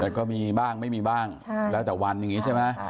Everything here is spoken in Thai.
แต่ก็มีบ้างไม่มีบ้างแล้วแต่วันอย่างนี้ใช่ไหม